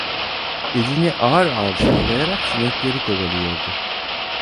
Elini ağır ağır sallayarak sinekleri kovalıyordu.